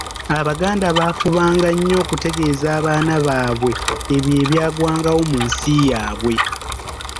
Abaganda baafubanga nnyo okutegeeza abaana baabwe ebyo ebyagwangawo mu nsi yaabwe.